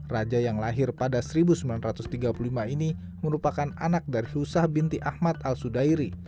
raja yang lahir pada seribu sembilan ratus tiga puluh lima ini merupakan anak dari husah binti ahmad al sudairi